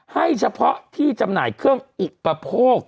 ให้เฉพาะที่จำหน่ายเครื่องอุปโภค